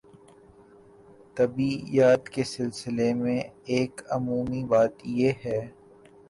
طبیعیات کے سلسلے میں ایک عمومی بات یہ ہے